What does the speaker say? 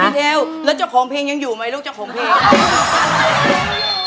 คุณเอลแล้วเจ้าของเพลงยังอยู่ไหมลูกเจ้าของเพลง